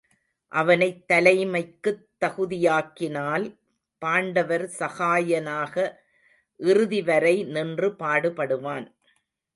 அவனைத் தலைமைக்குத் தகுதியாக்கினால் பாண்டவர் சகாயனாக இறுதி வரை நின்று பாடு படுவான்.